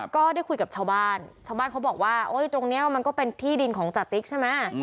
ก็ได้คุยกับชาวบ้านชาวบ้านเขาบอกว่าตรงนี้มันก็เป็นที่ดินของจติ๊กใช่ไหม